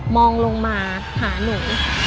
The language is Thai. องลงมาหาหนู